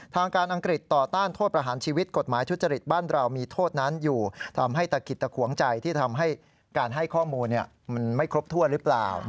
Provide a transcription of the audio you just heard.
ทางการอังกฤษต่อต้านโทษประหารชีวิตกฎหมายทุจริตบ้านเรามีโทษนั้นอยู่ทำให้ตะขิดตะขวงใจที่ทำให้การให้ข้อมูลมันไม่ครบถ้วนหรือเปล่า